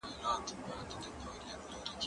زه به سبا مينه څرګندوم وم!.